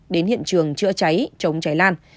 đến hiện trường chữa cháy chống cháy lan